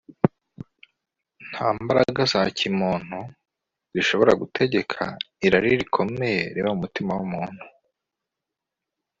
nta mbaraga za kimuntu zishobora gutegeka irari rikomeye riba mu mutima